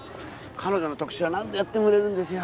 彼女の特集は何度やっても売れるんですよ。